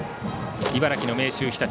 茨城の明秀日立。